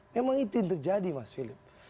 memang itu yang terjadi mas philip